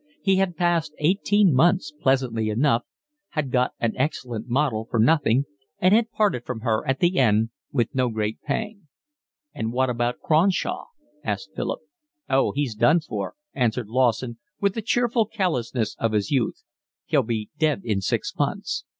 He had passed eighteen months pleasantly enough, had got an excellent model for nothing, and had parted from her at the end with no great pang. "And what about Cronshaw?" asked Philip. "Oh, he's done for," answered Lawson, with the cheerful callousness of his youth. "He'll be dead in six months.